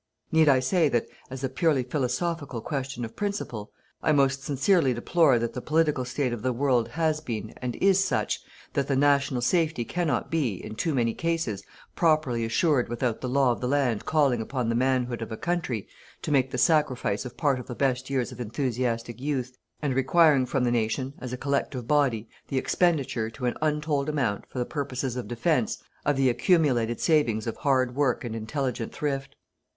Need I say that, as a purely philosophical question of principle, I most sincerely deplore that the political state of the world has been and is such that national safety cannot be, in too many cases, properly assured without the law of the land calling upon the manhood of a country to make the sacrifice of part of the best years of enthusiastic youth, and requiring from the nation, as a collective body, the expenditure, to an untold amount, for the purposes of defence, of the accumulated savings of hard work and intelligent thrift.